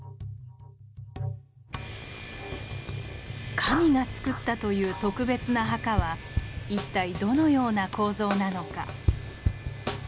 神がつくったという特別な墓は一体どのような構造なのか。